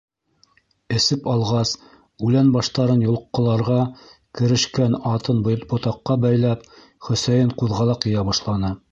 Эсеп алғас үлән баштарын йолҡҡоларға керешкән атын ботаҡҡа бәйләп, Хөсәйен ҡуҙғалаҡ йыя башланы.